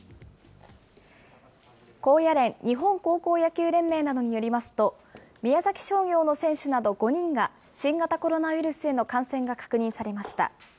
高野連・日本高校野球連盟などによりますと、宮崎商業の選手など５人が新型コロナウイルスへの感染が確認されました。